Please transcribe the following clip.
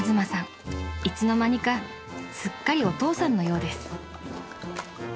いつの間にかすっかりお父さんのようです］